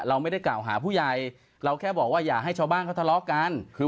เราไม่ได้กล่าวหาผู้ใหญ่เราแค่บอกว่าอย่าให้ชาวบ้านเขาทะเลาะกันคือ